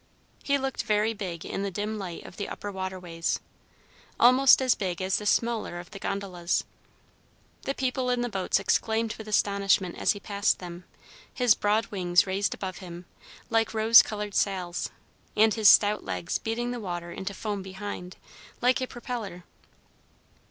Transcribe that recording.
He looked very big in the dim light of the upper waterways, almost as big as the smaller of the gondolas. The people in the boats exclaimed with astonishment as he passed them, his broad wings raised above him, like rose colored sails, and his stout legs beating the water into foam behind, like a propeller.